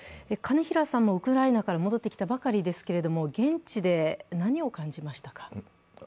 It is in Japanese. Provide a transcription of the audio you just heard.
金平さんもウクライナから戻ってきたばかりですけれども現地で何を感じましたか？